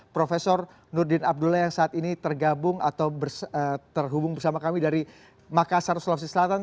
prof nurdin abdullah yang saat ini tergabung atau terhubung bersama kami dari makassar sulawesi selatan